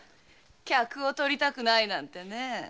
客をとりたくないなんてね。